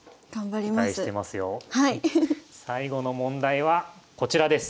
最後の問題はこちらです。